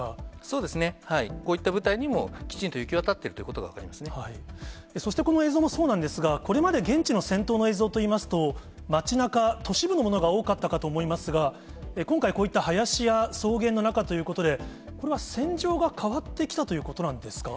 こういった部隊にも、きちんと行き渡っているということが分かりそしてこの映像もそうなんですが、これまで現地の戦闘の映像といいますと、町なか、都市部のものが多かったかと思いますが、今回、こういった林や草原の中ということで、これは戦場が変わってきたということなんですか？